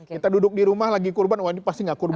kita duduk di rumah lagi kurban wah ini pasti gak kurban